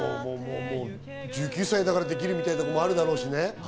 １９歳だからできるみたいなのもあるだろうしね。